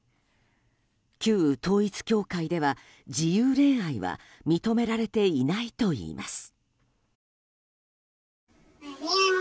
旧統一教会では、自由恋愛は認められていないといいます。